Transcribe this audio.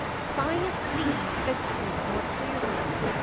Science sees the truth more clearly.